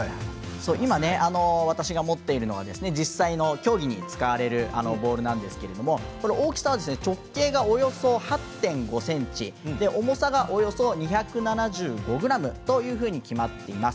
今、私が持っているのが実際の競技に使われるボールなんですけれども大きさは直径がおよそ８．５ｃｍ重さがおよそ２７５ｇというふうに決まっています。